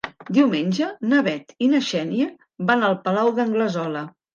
Diumenge na Bet i na Xènia van al Palau d'Anglesola.